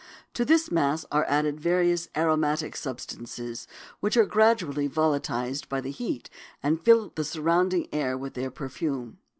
To this mass are added various aromatic substances which are gradually volatilized by the heat and fill the surrounding air with their perfume.